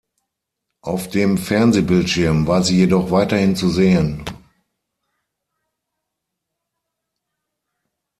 Auf dem Fernsehbildschirm war sie jedoch weiterhin zu sehen.